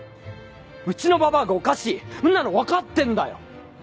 うちのババアがおかしいんなの分かってんだよ！